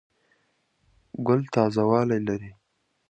ګل تازه والی لري.